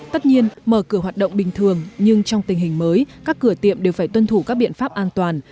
tất nhiên mở cửa hoạt động bình thường nhưng trong tình hình mới các cửa tiệm đều phải tuân thủ các biện pháp an toàn